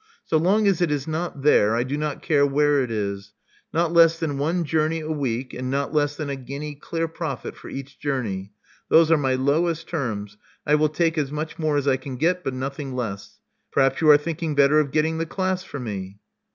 So long as it is not there, I do not care where it is. Not less than one journey a week, and not less than a guinea clear profit for each journey. Those are my lowest terms: I will take as much more as I can get, but nothing less. Perhaps you are thinking better of getting the class for me."